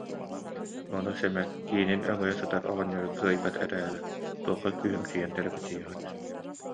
Ону Сэмэн: «Иинин өҥөйө сытар оҕонньору кыайбат эрээри, туохха күүһүмсүйэн тэлэкэччийэҕит